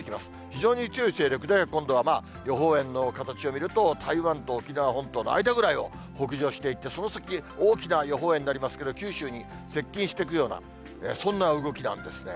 非常に強い勢力で今度は予報円の形を見ると、台湾と沖縄本島の間ぐらいを北上していって、その先へ、大きな予報円になりますけれども、九州に接近していくような、そんな動きなんですね。